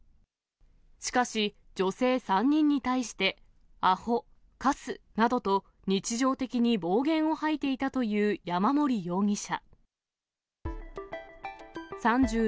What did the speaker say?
しかし、女性３人に対して、あほ、かすなどと日常的に暴言を吐いていたという山森容疑者。